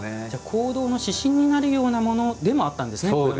行動の指針になるようなものでもあったんですね。